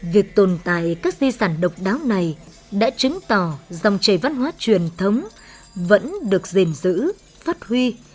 việc tồn tại các di sản độc đáo này đã chứng tỏ dòng chảy văn hóa truyền thống vẫn được giềng giữ phát huy trong các bản làng vùng cao